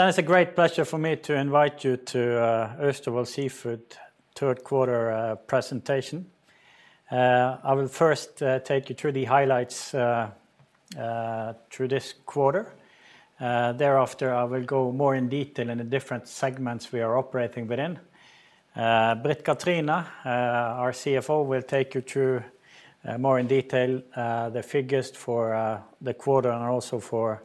That is a great pleasure for me to invite you to Austevoll Seafood third quarter presentation. I will first take you through the highlights through this quarter. Thereafter, I will go more in detail in the different segments we are operating within. Britt Kathrine, our CFO, will take you through more in detail the figures for the quarter and also for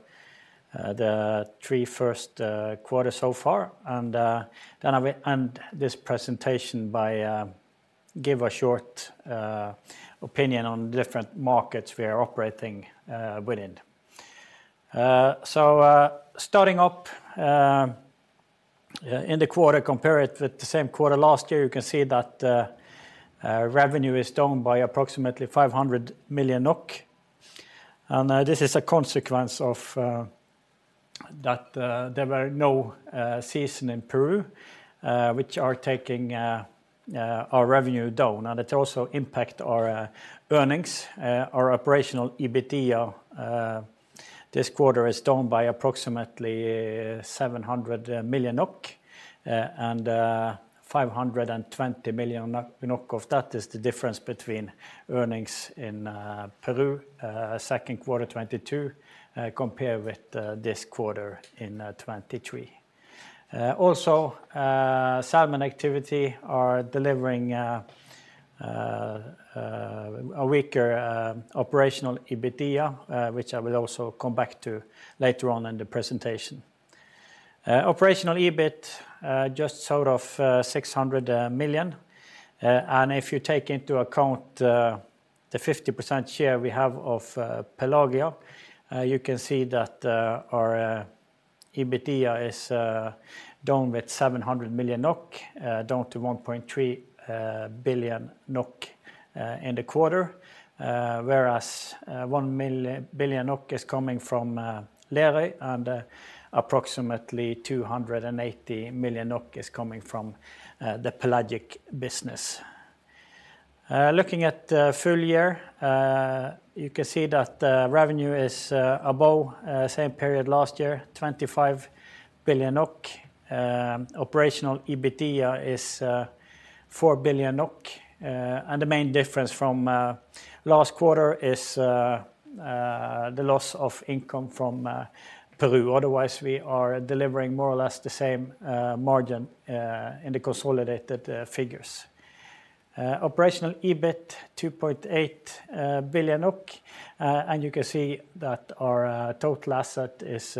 the three first quarter so far. And then I will end this presentation by give a short opinion on different markets we are operating within. So, starting up in the quarter, compare it with the same quarter last year, you can see that revenue is down by approximately 500 million NOK. This is a consequence of that there were no season in Peru, which are taking our revenue down, and it also impact our earnings. Our operational EBITDA this quarter is down by approximately NOK 700 million, and 520 million of that is the difference between earnings in Peru second quarter 2022 compared with this quarter in 2023. Also, salmon activity are delivering a weaker operational EBITDA, which I will also come back to later on in the presentation. Operational EBIT just sort of 600 million. And if you take into account the 50% share we have of Pelagia, you can see that our EBITDA is down with 700 million NOK, down to 1.3 billion in the quarter. Whereas 1 billion is coming from Lerøy, and approximately 280 million is coming from the pelagic business. Looking at the full year, you can see that the revenue is above same period last year, 25 billion NOK. Operational EBITDA is 4 billion NOK. And the main difference from last quarter is the loss of income from Peru. Otherwise, we are delivering more or less the same margin in the consolidated figures. Operational EBIT, 2.8 billion, and you can see that our total asset is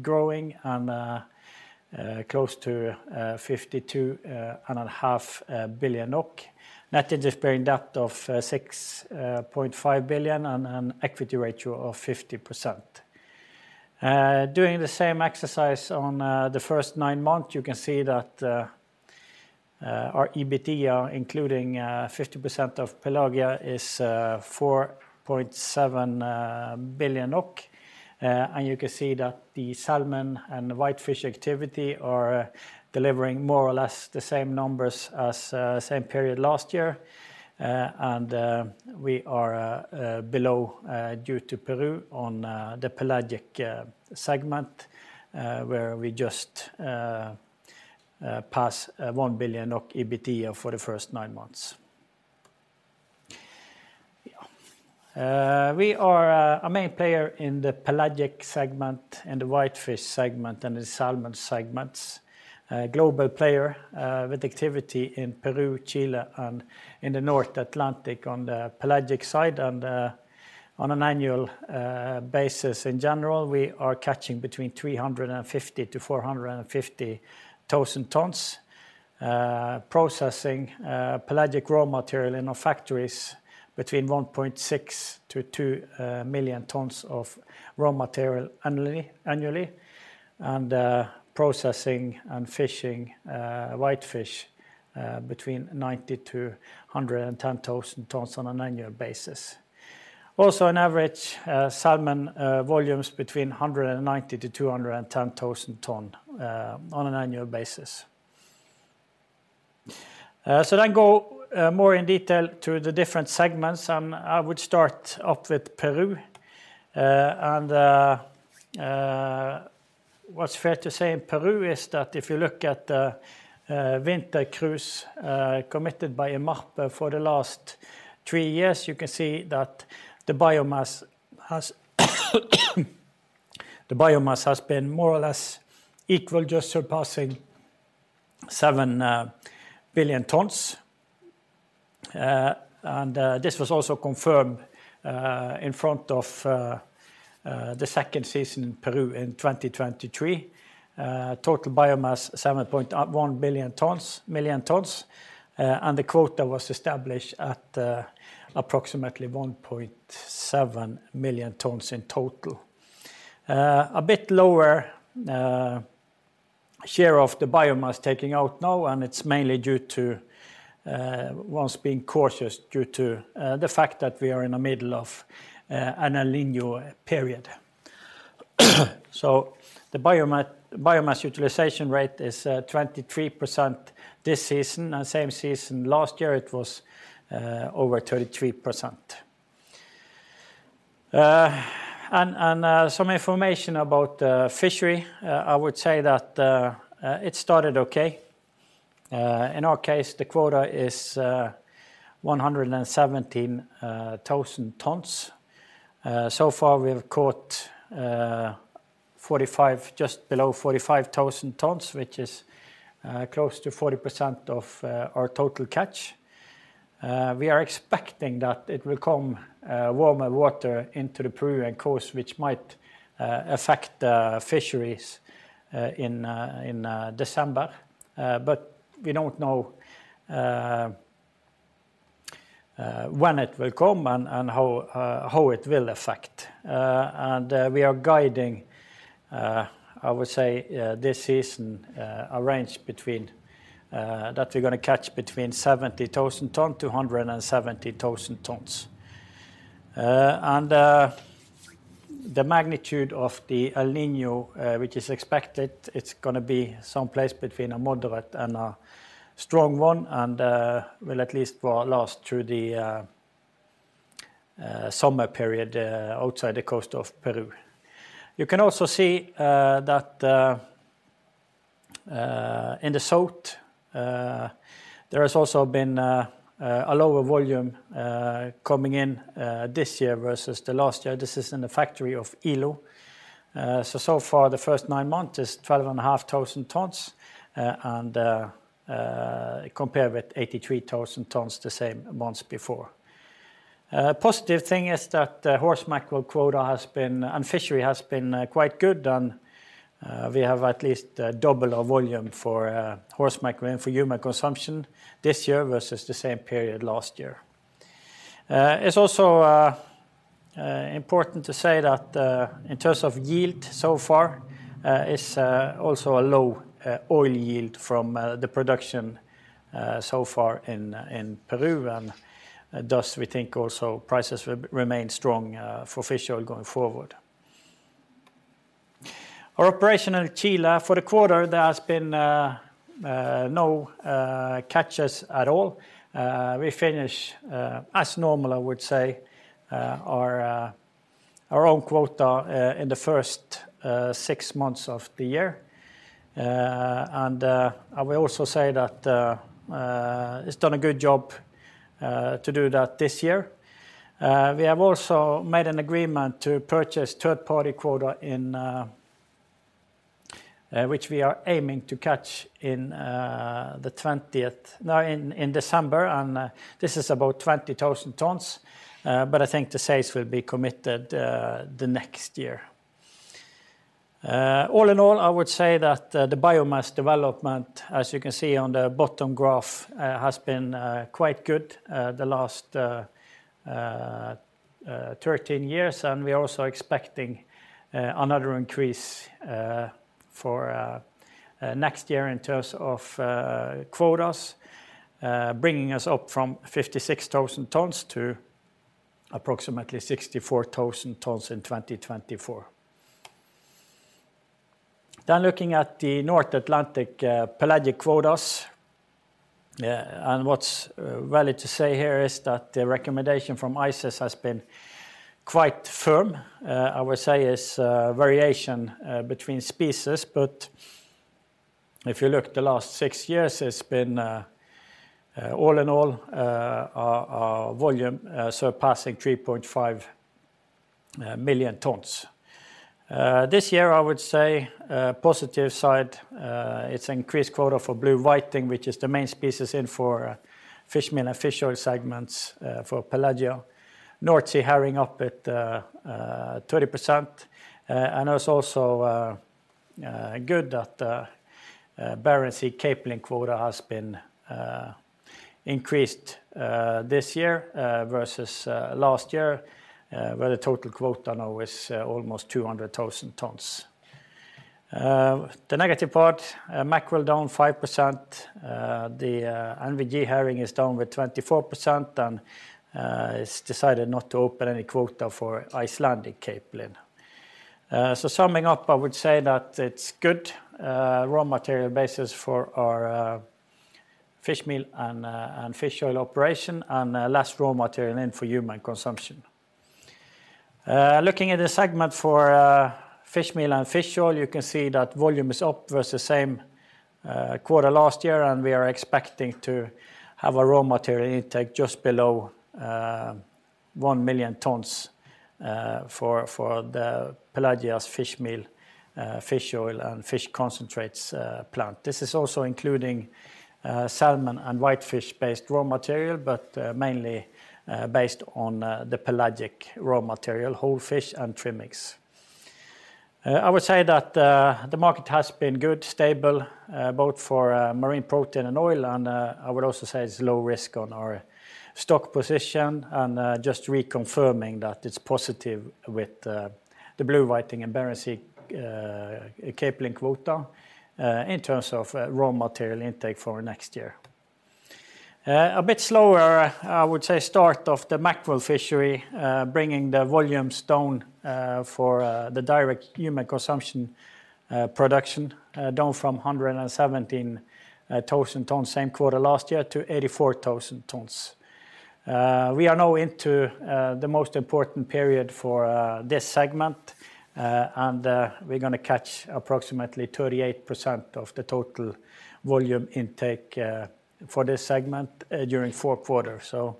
growing on close to 52.5 billion NOK. Net interest bearing debt of 6.5 billion, and an equity ratio of 50%. Doing the same exercise on the first nine months, you can see that our EBITDA, including 50% of Pelagia, is 4.7 billion NOK. You can see that the salmon and whitefish activity are delivering more or less the same numbers as same period last year. We are below due to Peru on the pelagic segment, where we just pass 1 billion EBITDA for the first nine months. Yeah. We are a main player in the pelagic segment, and the whitefish segment, and the salmon segments. Global player with activity in Peru, Chile, and in the North Atlantic on the pelagic side, and on an annual basis. In general, we are catching between 350-450,000 tons. Processing pelagic raw material in our factories between 1.6-2 million tons of raw material annually, annually, and processing and fishing whitefish between 90-110,000 tons on an annual basis. Also, an average salmon volumes between 190-210,000 ton on an annual basis. So then go more in detail to the different segments, and I would start up with Peru. What's fair to say in Peru is that if you look at the winter cruise committed by IMARPE for the last three years, you can see that the biomass has been more or less equal, just surpassing 7 billion tons. This was also confirmed in front of the second season in Peru in 2023. Total biomass, 7.1 million tons, and the quota was established at approximately 1.7 million tons in total. A bit lower share of the biomass taking out now, and it's mainly due to ones being cautious due to the fact that we are in the middle of an El Niño period. So the biomass utilization rate is 23% this season, and same season last year, it was over 33%. Some information about fishery. I would say that it started okay. In our case, the quota is 117,000 tons. So far, we have caught just below 45,000 tons, which is close to 40% of our total catch. We are expecting that it will come warmer water into the Peruvian coast, which might affect the fisheries in December. But we don't know when it will come and how it will affect. We are guiding, I would say, this season, a range between that we're gonna catch between 70,000-170,000 tons. The magnitude of the El Niño, which is expected, it's gonna be someplace between a moderate and a strong one, and will at least last through the summer period outside the coast of Peru. You can also see that in the south there has also been a lower volume coming in this year versus the last year. This is in the factory of Ilo. So far, the first nine months is 12,500 tons, and compared with 83,000 tons, the same months before. Positive thing is that the horse mackerel quota has been, and fishery has been, quite good, and we have at least double our volume for horse mackerel and for human consumption this year versus the same period last year. It's also important to say that in terms of yield so far is also a low oil yield from the production so far in Peru, and thus we think also prices remain strong for fish oil going forward. Our operation in Chile for the quarter, there has been no catches at all. We finish as normal, I would say, our own quota in the first 6 months of the year. I will also say that it's done a good job to do that this year. We have also made an agreement to purchase third-party quota in which we are aiming to catch in December, and this is about 20,000 tons, but I think the sales will be committed the next year. All in all, I would say that the biomass development, as you can see on the bottom graph, has been quite good the last 13 years, and we are also expecting another increase for next year in terms of quotas, bringing us up from 56,000 tons to approximately 64,000 tons in 2024. Then looking at the North Atlantic, pelagic quotas, and what's valid to say here is that the recommendation from ICES has been quite firm. I would say it's variation between species, but if you look the last six years, it's been all in all our volume surpassing 3.5 million tons. This year, I would say, positive side, it's increased quota for blue whiting, which is the main species in for fishmeal and fish oil segments, for Pelagia. North Sea herring up at 30%, and it's also good that Barents Sea capelin quota has been increased this year versus last year, where the total quota now is almost 200,000 tons. The negative part, mackerel down 5%, the NVG herring is down with 24%, and it's decided not to open any quota for Icelandic capelin. So summing up, I would say that it's good raw material basis for our fishmeal and fish oil operation, and less raw material in for human consumption. Looking at the segment for fishmeal and fish oil, you can see that volume is up versus the same quarter last year, and we are expecting to have a raw material intake just below 1,000,000 tons for the Pelagia's fishmeal, fish oil, and fish concentrates plant. This is also including salmon and whitefish-based raw material, but mainly based on the pelagic raw material, whole fish and trimmings. I would say that the market has been good, stable, both for marine protein and oil, and I would also say it's low risk on our stock position, and just reconfirming that it's positive with the blue whiting and Barents Sea capelin quota, in terms of raw material intake for next year. A bit slower, I would say, start of the mackerel fishery, bringing the volumes down for the direct human consumption production down from 117,000 tons same quarter last year, to 84,000 tons. We are now into the most important period for this segment, and we're gonna catch approximately 38% of the total volume intake for this segment during fourth quarter. So,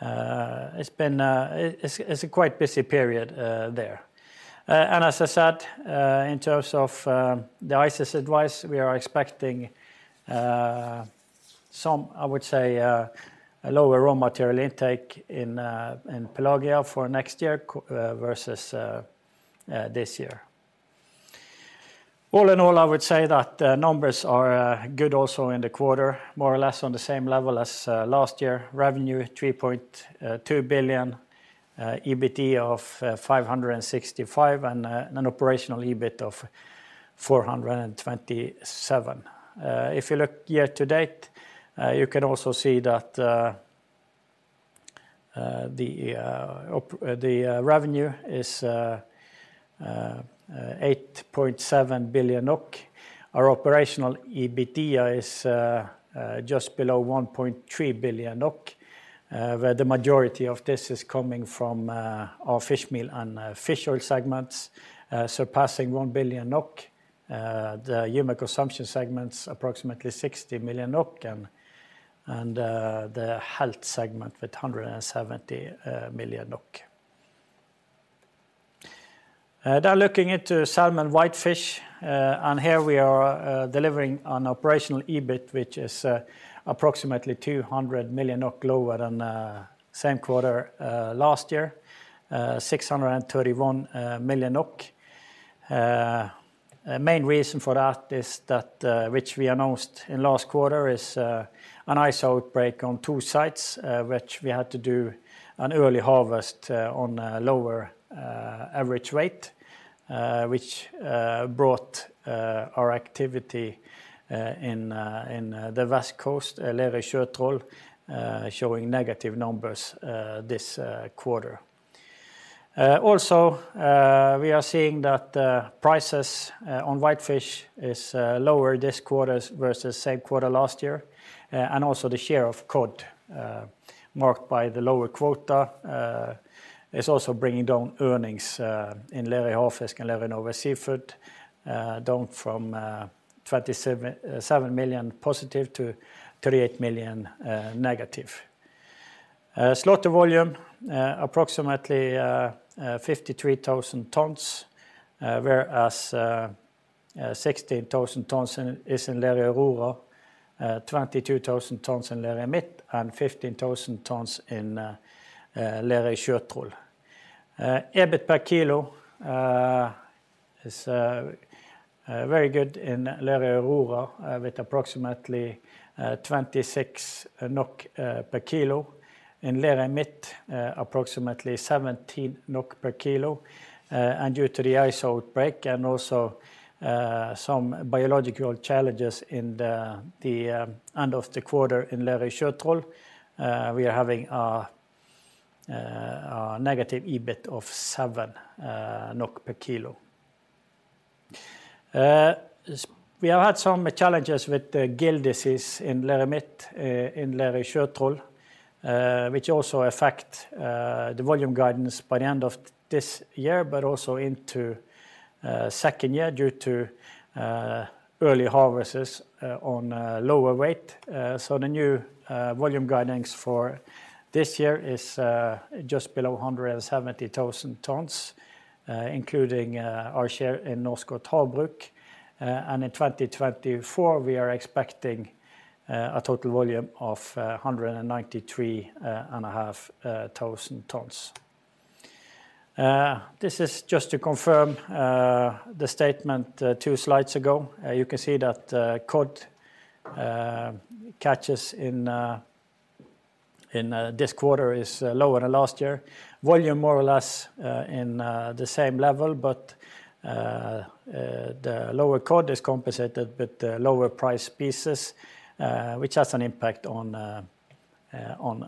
it's been, it's a quite busy period, there. And as I said, in terms of the ICES advice, we are expecting some, I would say, a lower raw material intake in Pelagia for next year co- versus this year. All in all, I would say that the numbers are good also in the quarter, more or less on the same level as last year. Revenue, 3.2 billion, EBITDA of 565 million, and an operational EBIT of 427 million. If you look year to date, you can also see that the revenue is 8.7 billion NOK. Our operational EBITDA is just below 1.3 billion NOK, where the majority of this is coming from our fish meal and fish oil segments, surpassing 1 billion NOK. The human consumption segment's approximately 60 million NOK, and the health segment with 170 million NOK. Now looking into salmon whitefish, and here we are delivering an operational EBIT, which is approximately 200 million NOK lower than same quarter last year, 631 million NOK. Main reason for that is that, which we announced in last quarter, is an ISA outbreak on two sites, which we had to do an early harvest on a lower average rate, which brought our activity in the West Coast Lerøy Sjøtroll showing negative numbers this quarter. Also, we are seeing that the prices on whitefish is lower this quarter versus same quarter last year. And also the share of cod marked by the lower quota is also bringing down earnings in Lerøy Havfisk and Lerøy Norway Seafoods down from +27.7 million to -38 million. Slaughter volume approximately 53,000 tons, whereas 16,000 tons is in Lerøy Aurora, 22,000 tons in Lerøy Midt, and 15,000 tons in Lerøy Sjøtroll. EBIT per kilo is very good in Lerøy Aurora, with approximately 26 NOK per kilo. In Lerøy Midt, approximately 17 NOK per kilo. Due to the ISA outbreak and also some biological challenges in the end of the quarter in Lerøy Sjøtroll, we are having a negative EBIT of 7 NOK per kilo. So we have had some challenges with the gill disease in Lerøy Midt, in Lerøy Sjøtroll, which also affect the volume guidance by the end of this year, but also into second year, due to early harvests on lower weight. So the new volume guidance for this year is just below 170,000 tons, including our share in Norskott Havbruk. And in 2024, we are expecting a total volume of 193,500 tons. This is just to confirm the statement two slides ago. You can see that cod catches in this quarter is lower than last year. Volume more or less in the same level, but the lower cod is compensated with the lower price pieces, which has an impact on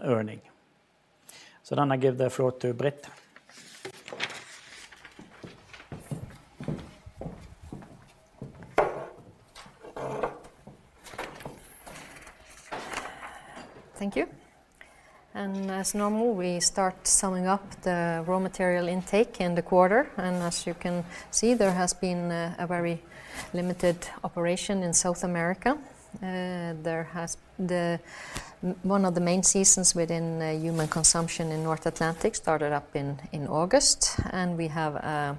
earning. So then I give the floor to Britt. Thank you. As normal, we start summing up the raw material intake in the quarter. As you can see, there has been a very limited operation in South America. The one of the main seasons within the human consumption in North Atlantic started up in August, and we have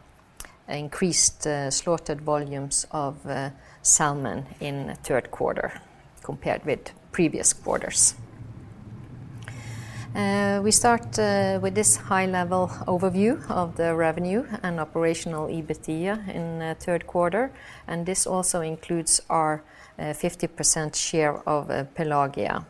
increased slaughtered volumes of salmon in third quarter compared with previous quarters. We start with this high-level overview of the revenue and operational EBITDA in third quarter, and this also includes our 50% share of Pelagia.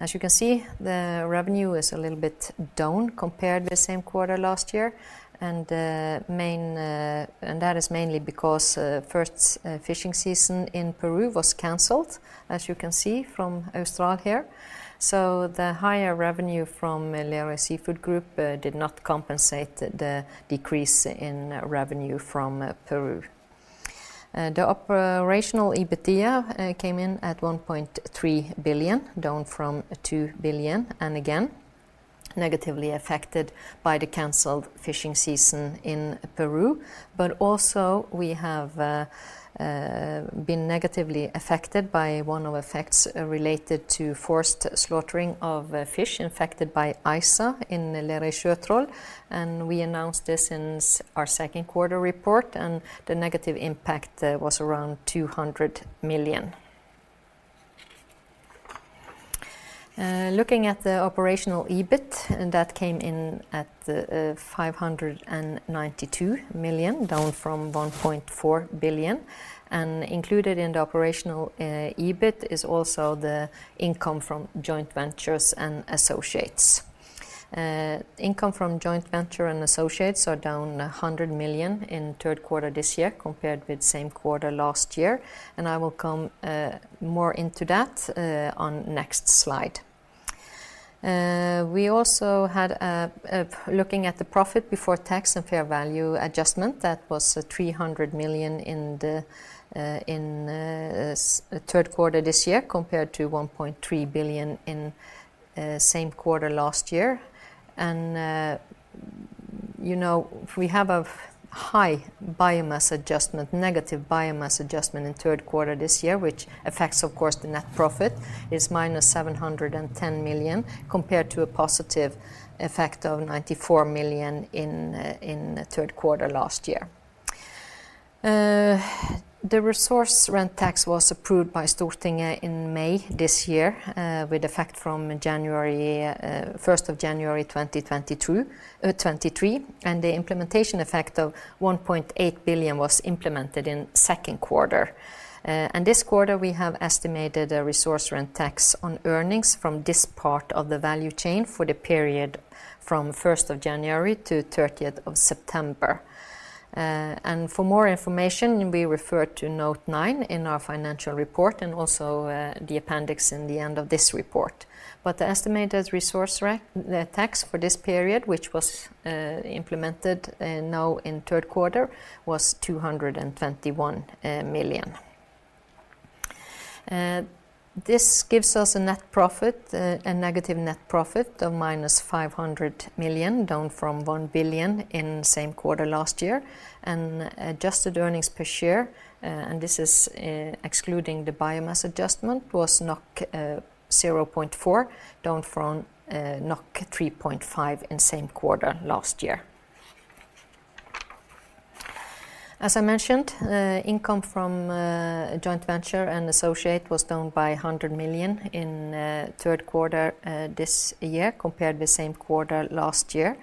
As you can see, the revenue is a little bit down compared to the same quarter last year, and that is mainly because first fishing season in Peru was canceled, as you can see from Austral here. The higher revenue from Lerøy Seafood Group did not compensate the decrease in revenue from Peru. The operational EBITDA came in at 1.3 billion, down from 2 billion, and again, negatively affected by the canceled fishing season in Peru. But also we have been negatively affected by one-off effects related to forced slaughtering of fish infected by ISA in the Lerøy Sjøtroll, and we announced this in our second quarter report, and the negative impact was around 200 million. Looking at the operational EBIT, that came in at 592 million, down from 1.4 billion. And included in the operational EBIT is also the income from joint ventures and associates. Income from joint venture and associates are down 100 million in third quarter this year, compared with same quarter last year, and I will come more into that on next slide. We also had... Looking at the profit before tax and fair value adjustment, that was 300 million in the third quarter this year, compared to 1.3 billion in same quarter last year. You know, we have a high biomass adjustment, negative biomass adjustment in third quarter this year, which affects, of course, the net profit, is -710 million, compared to a positive effect of 94 million in the third quarter last year. The resource rent tax was approved by Stortinget in May this year, with effect from first of January 2023, and the implementation effect of 1.8 billion was implemented in second quarter. This quarter, we have estimated a resource rent tax on earnings from this part of the value chain for the period from first of January to thirtieth of September. For more information, we refer to note 9 in our financial report, and also, the appendix in the end of this report. But the estimated resource rent tax for this period, which was implemented now in third quarter, was 221 million. This gives us a net profit, a negative net profit of -500 million, down from 1 billion in the same quarter last year. Adjusted earnings per share, and this is, excluding the biomass adjustment, was 0.4, down from 3.5 in same quarter last year. As I mentioned, income from joint venture and associate was down by 100 million in third quarter this year, compared with same quarter last year.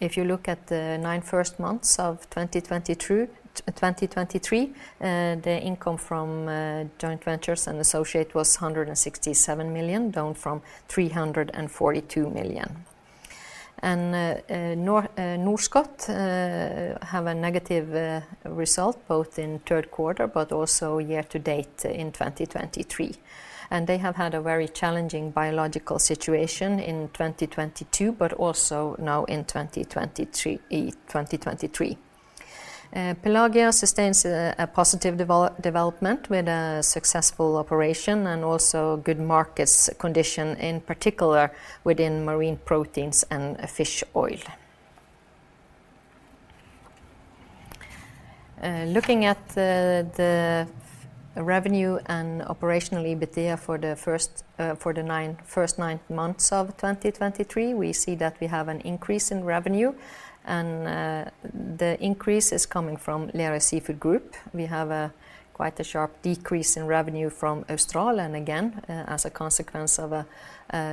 If you look at the nine first months of 2023, the income from joint ventures and associate was 167 million, down from 342 million. Norskott have a negative result, both in third quarter but also year to date in 2023. They have had a very challenging biological situation in 2022, but also now in 2023. Pelagia sustains a positive development with a successful operation and also good market conditions, in particular within marine proteins and fish oil. Looking at the revenue and operational EBITDA for the first nine months of 2023, we see that we have an increase in revenue, and the increase is coming from Lerøy Seafood Group. We have quite a sharp decrease in revenue from Austral, and again, as a consequence of a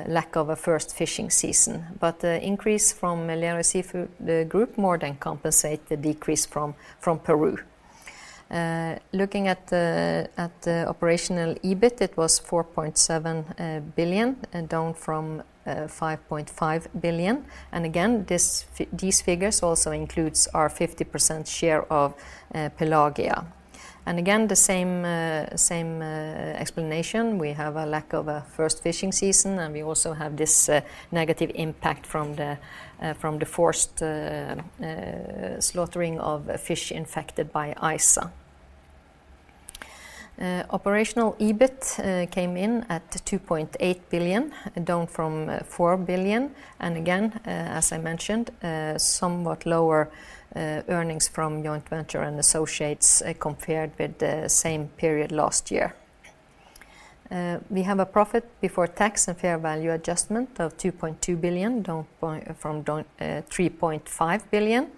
lack of a first fishing season. But the increase from Lerøy Seafood Group more than compensate the decrease from Peru. Looking at the operational EBIT, it was 4.7 billion, and down from 5.5 billion. And again, these figures also includes our 50% share of Pelagia. And again, the same, same, explanation. We have a lack of a first fishing season, and we also have this, negative impact from the, from the forced, slaughtering of fish infected by ISA. Operational EBIT came in at 2.8 billion, down from 4 billion. And again, as I mentioned, somewhat lower, earnings from joint venture and associates, compared with the same period last year. We have a profit before tax and fair value adjustment of 2.2 billion, down by, from down 3.5 billion.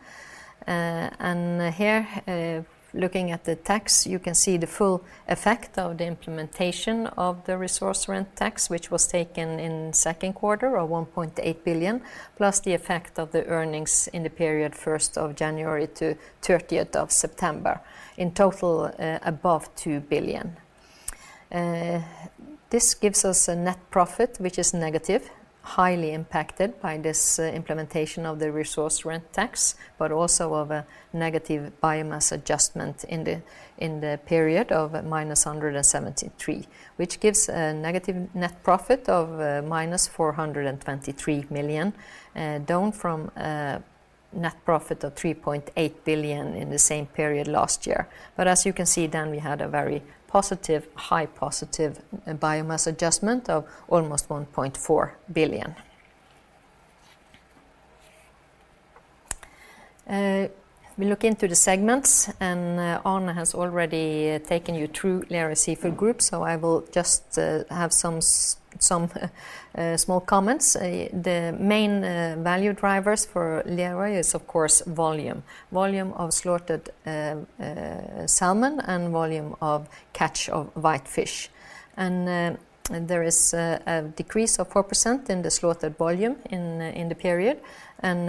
And here, looking at the tax, you can see the full effect of the implementation of the resource rent tax, which was taken in second quarter of 1.8 billion, plus the effect of the earnings in the period first of January to thirtieth of September. In total, above 2 billion. This gives us a net profit, which is negative, highly impacted by this implementation of the resource rent tax, but also of a negative biomass adjustment in the period of -173 million, which gives a negative net profit of - 423 million, down from net profit of 3.8 billion in the same period last year. But as you can see then, we had a very positive, high positive, biomass adjustment of almost 1.4 billion. We look into the segments, and Arne has already taken you through Lerøy Seafood Group, so I will just have some small comments. The main value drivers for Lerøy is, of course, volume. Volume of slaughtered salmon and volume of catch of whitefish. And there is a decrease of 4% in the slaughtered volume in the period, and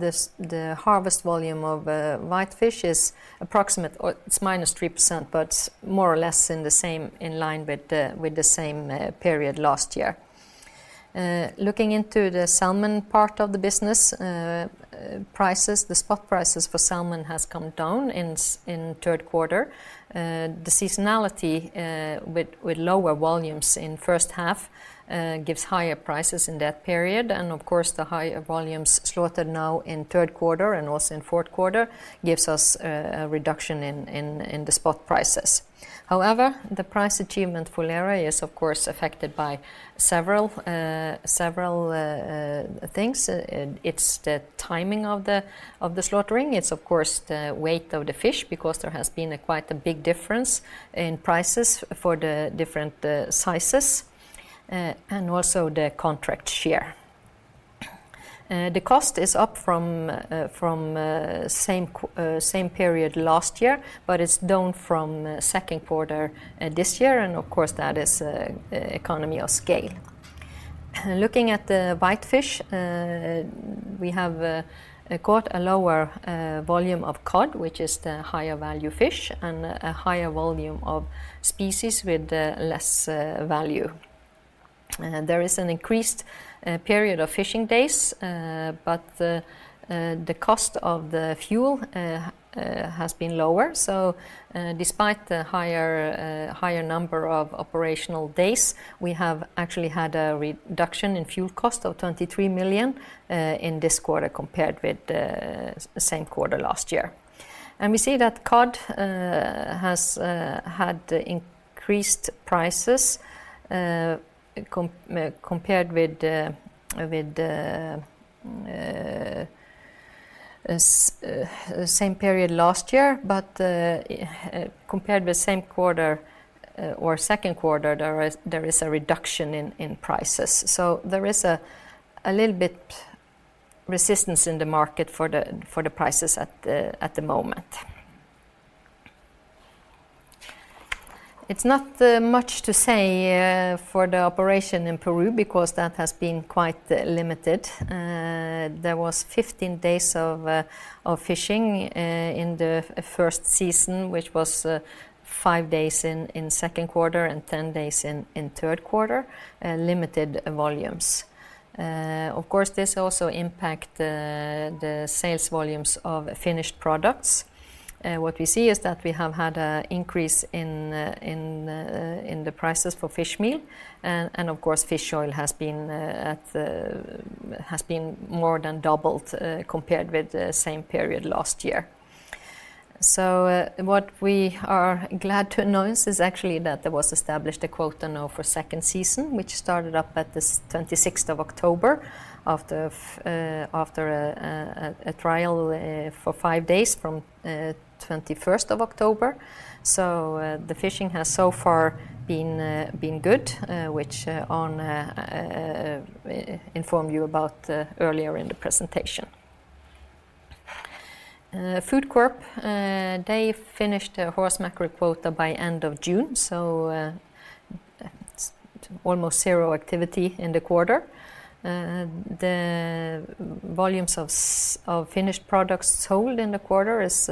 the harvest volume of whitefish is approximate or it's minus 3%, but more or less in the same in line with the same period last year. Looking into the salmon part of the business, prices, the spot prices for salmon has come down in third quarter. The seasonality with lower volumes in first half gives higher prices in that period. Of course, the higher volumes slaughtered now in third quarter and also in fourth quarter gives us a reduction in the spot prices. However, the price achievement for Lerøy is, of course, affected by several things. It's the timing of the slaughtering. It's, of course, the weight of the fish, because there has been quite a big difference in prices for the different sizes, and also the contract share. The cost is up from same period last year, but it's down from second quarter this year, and of course, that is economy of scale. Looking at the whitefish, we have caught a lower volume of cod, which is the higher value fish, and a higher volume of species with less value. There is an increased period of fishing days, but the cost of the fuel has been lower. So, despite the higher number of operational days, we have actually had a reduction in fuel cost of 23 million in this quarter, compared with the same quarter last year. And we see that cod has had increased prices compared with the same period last year. But, compared with the same quarter or second quarter, there is a reduction in prices. So there is a little bit resistance in the market for the prices at the moment. It's not much to say for the operation in Peru, because that has been quite limited. There was 15 days of fishing in the first season, which was five days in second quarter and 10 days in third quarter, limited volumes. Of course, this also impact the sales volumes of finished products. What we see is that we have had an increase in the prices for fish meal, and of course, fish oil has been more than doubled compared with the same period last year. So, what we are glad to announce is actually that there was established a quota now for second season, which started up at the 26th of October, after a trial for five days from 21st of October. So, the fishing has so far been good, which Arne informed you about earlier in the presentation. FoodCorp, they finished their horse mackerel quota by end of June, so almost zero activity in the quarter. The volumes of finished products sold in the quarter is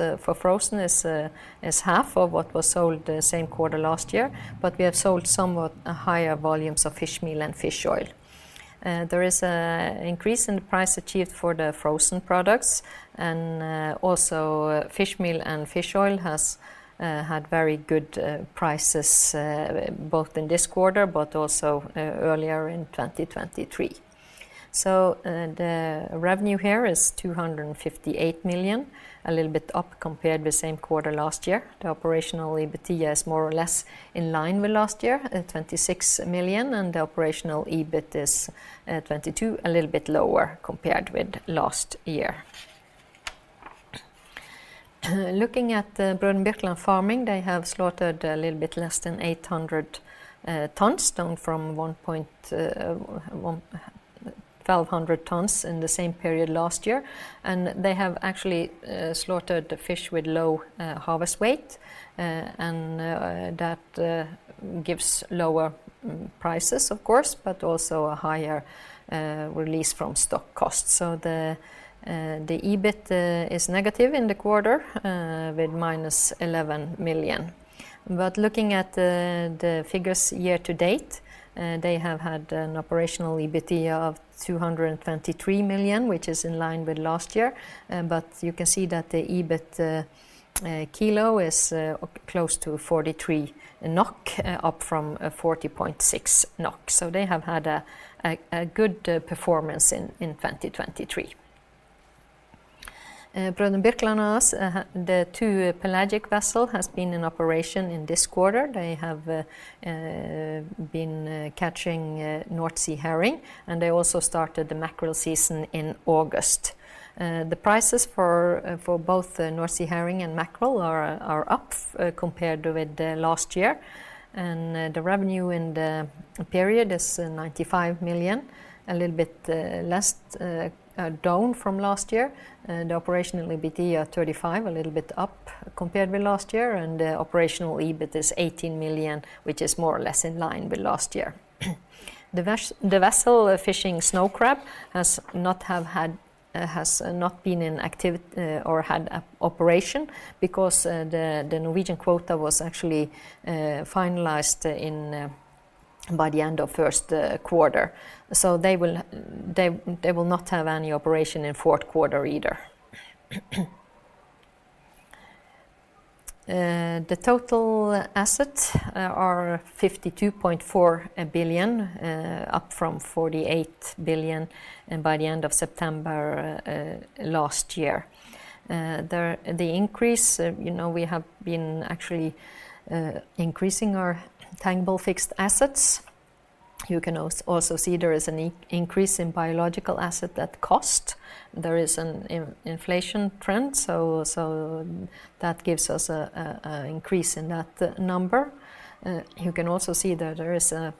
half of what was sold the same quarter last year, but we have sold somewhat higher volumes of fish meal and fish oil. There is a increase in the price achieved for the frozen products, and also fish meal and fish oil has had very good prices both in this quarter, but also earlier in 2023. So, the revenue here is 258 million, a little bit up compared with the same quarter last year. The operational EBITDA is more or less in line with last year, at 26 million, and the operational EBIT is 22 million, a little bit lower compared with last year. Looking at the Br. Birkeland Farming, they have slaughtered a little bit less than 800 tons, down from 1,200 tons in the same period last year. And they have actually slaughtered the fish with low harvest weight, and that gives lower prices, of course, but also a higher release from stock costs. So the EBIT is negative in the quarter, with -11 million. But looking at the figures year to date, they have had an operational EBITDA of 223 million, which is in line with last year. But you can see that the EBIT kilo is close to 43 NOK, up from 40.6 NOK. So they have had a good performance in 2023. Br. Birkeland AS, the two pelagic vessel has been in operation in this quarter. They have been catching North Sea herring, and they also started the mackerel season in August. The prices for both the North Sea herring and mackerel are up compared with last year. And the revenue in the period is 95 million, a little bit less down from last year. operational EBITDA, 35 million, a little bit up compared with last year, and the operational EBIT is 18 million, which is more or less in line with last year. The vessel fishing snow crab has not had, has not been in operation because the Norwegian quota was actually finalized by the end of first quarter. So they will not have any operation in fourth quarter either. The total assets are 52.4 billion, up from 48 billion by the end of September last year. The increase, you know, we have been actually increasing our tangible fixed assets. You can also see there is an increase in biological asset at cost. There is an inflation trend, so that gives us an increase in that number. You can also see that there is an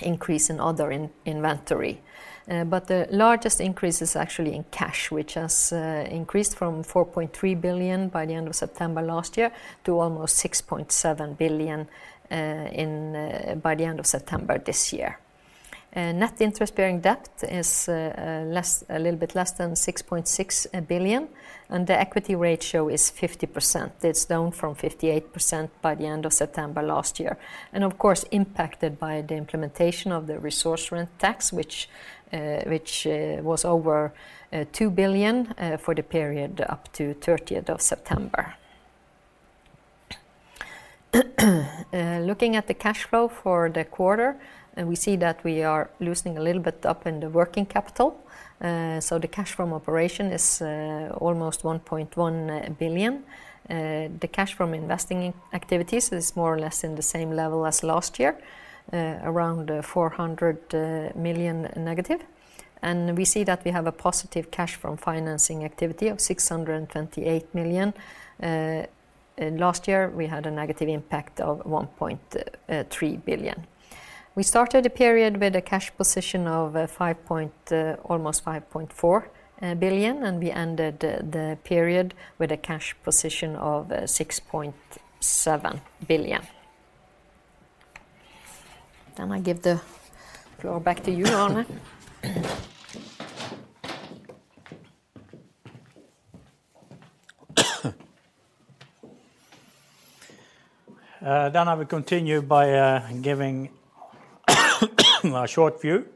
increase in other inventory. But the largest increase is actually in cash, which has increased from 4.3 billion by the end of September last year, to almost 6.7 billion by the end of September this year. Net interest-bearing debt is a little bit less than 6.6 billion, and the equity ratio is 50%. It's down from 58% by the end of September last year. And of course, impacted by the implementation of the resource rent tax, which was over 2 billion for the period up to thirtieth of September. Looking at the cash flow for the quarter, and we see that we are loosening a little bit up in the working capital. So the cash from operation is almost 1.1 billion. The cash from investing in activities is more or less in the same level as last year, around 400 million negative. And we see that we have a positive cash from financing activity of 628 million. Last year, we had a negative impact of 1.3 billion. We started the period with a cash position of almost 5.4 billion, and we ended the period with a cash position of 6.7 billion. Then I give the floor back to you, Arne. Then I will continue by giving a short view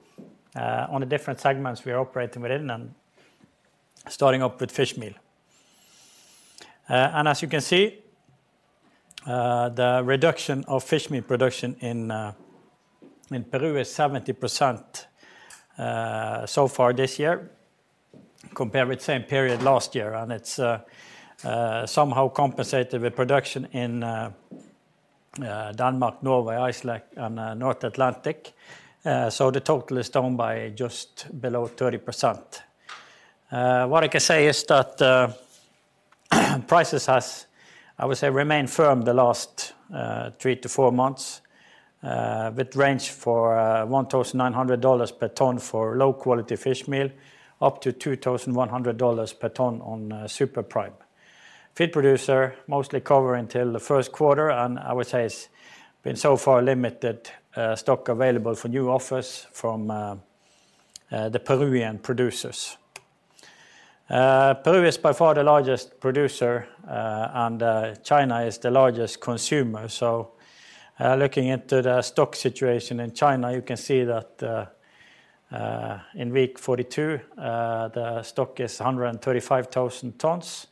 on the different segments we are operating within and starting off with fish meal. As you can see, the reduction of fish meal production in Peru is 70%, so far this year, compared with the same period last year. It's somehow compensated with production in Denmark, Norway, Iceland, and North Atlantic. So the total is down by just below 30%. What I can say is that prices has, I would say, remained firm the last three to four months, with range for $1,900 per ton for low-quality fish meal, up to $2,100 per ton on Super Prime. Feed producer mostly cover until the first quarter, and I would say it's been so far limited stock available for new offers from the Peruvian producers. Peru is by far the largest producer, and China is the largest consumer. So, looking into the stock situation in China, you can see that in week 42 the stock is 135,000 tons,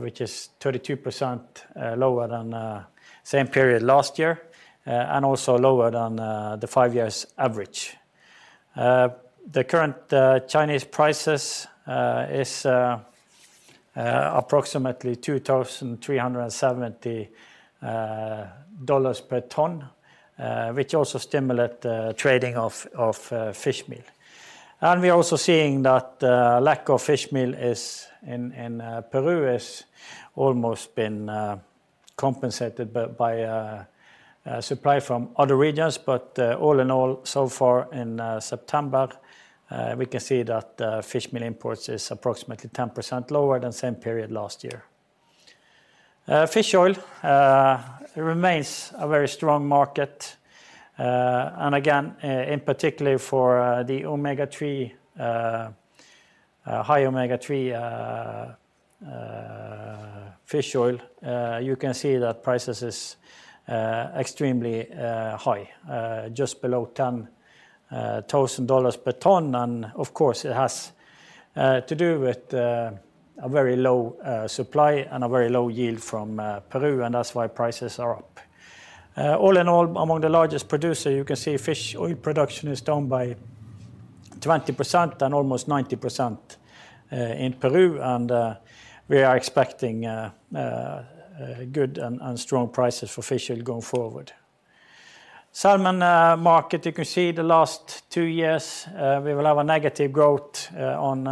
which is 32% lower than same period last year, and also lower than the 5-year average. The current Chinese prices is approximately $2,370 per ton, which also stimulate the trading of fish meal. We are also seeing that lack of fish meal in Peru is almost been compensated by supply from other regions. But all in all, so far in September, we can see that fish meal imports is approximately 10% lower than same period last year. Fish oil remains a very strong market, and again, in particular for the omega-3 high omega-3 fish oil, you can see that prices is extremely high, just below $10,000 per ton. And of course, it has to do with a very low supply and a very low yield from Peru, and that's why prices are up. All in all, among the largest producer, you can see fish oil production is down by 20% and almost 90% in Peru, and we are expecting good and strong prices for fish oil going forward. Salmon market, you can see the last two years we will have a negative growth on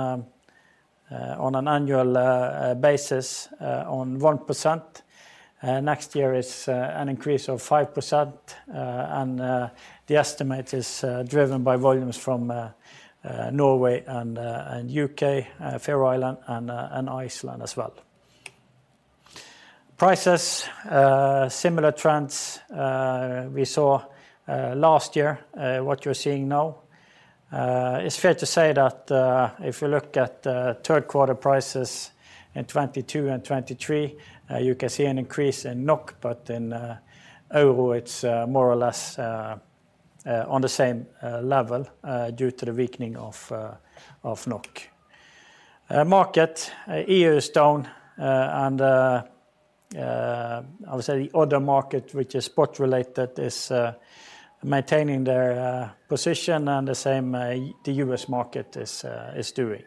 an annual basis on 1%. Next year is an increase of 5%, and the estimate is driven by volumes from Norway and UK, Faroe Islands and Iceland as well. Prices, similar trends we saw last year, what you're seeing now. It's fair to say that if you look at the third quarter prices in 2022 and 2023, you can see an increase in NOK, but overall, it's more or less on the same level due to the weakening of NOK. The EU market is down, and I would say the other market, which is spot-related, is maintaining their position and the same, the U.S. market is doing.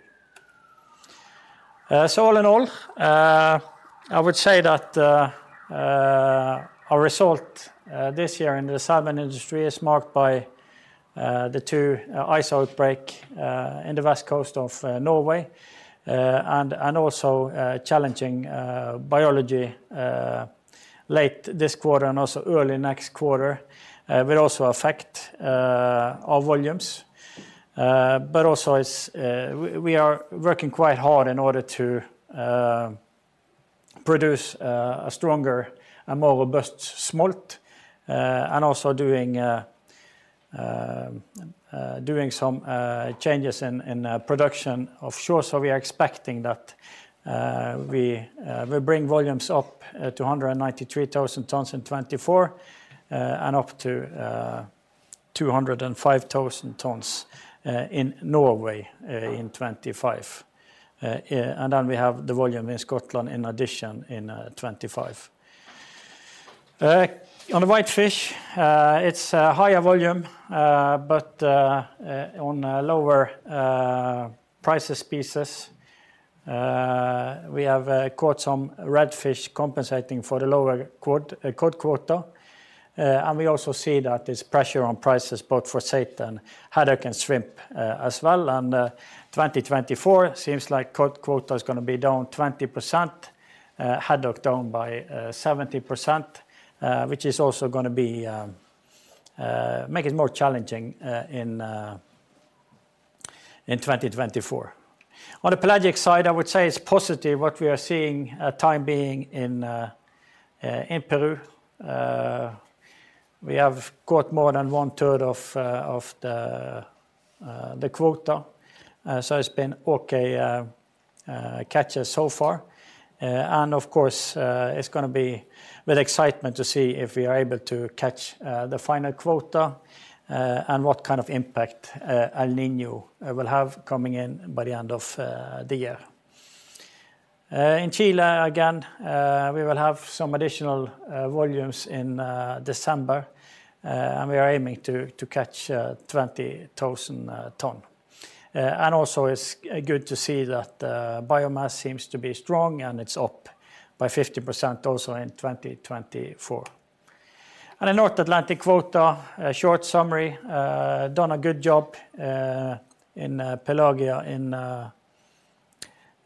So all in all, I would say that our result this year in the salmon industry is marked by the two ISA outbreak in the West Coast of Norway, and also challenging biology late this quarter and also early next quarter will also affect our volumes. But also, we are working quite hard in order to produce a stronger and more robust smolt, and also doing some changes in production offshore. So we are expecting that we bring volumes up to 193,000 tons in 2024, and up to 205,000 tons in Norway in 2025. Yeah, and then we have the volume in Scotland, in addition, in 2025. On the whitefish, it's a higher volume, but on lower prices pieces. We have caught some redfish compensating for the lower cod quota. And we also see that there's pressure on prices, both for saithe and haddock and shrimp, as well. 2024 seems like cod quota is gonna be down 20%, haddock down by 70%, which is also gonna be make it more challenging in 2024. On the pelagic side, I would say it's positive what we are seeing time being in Peru. We have got more than one third of the quota. So it's been okay, catches so far. And of course, it's gonna be with excitement to see if we are able to catch the final quota, and what kind of impact El Niño will have coming in by the end of the year. In Chile, again, we will have some additional volumes in December, and we are aiming to catch 20,000 tons. And also, it's good to see that biomass seems to be strong, and it's up by 50% also in 2024. And in North Atlantic quota, a short summary, done a good job in Pelagia in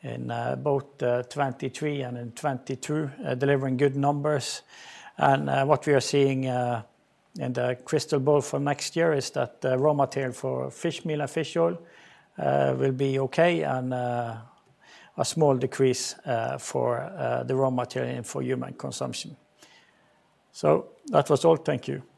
both 2023 and in 2022, delivering good numbers. What we are seeing in the crystal ball for next year is that the raw material for fishmeal and fish oil will be okay, and a small decrease for the raw material for human consumption. So that was all. Thank you.